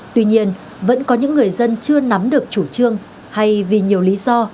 tuy nhiên vẫn có những người dân chưa nắm được chủ trương hay vì nhiều lý do